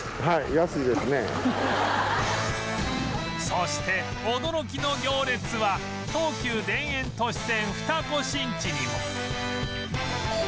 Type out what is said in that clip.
そして驚きの行列は東急田園都市線二子新地にも